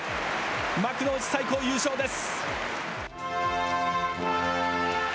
幕内最高優勝です。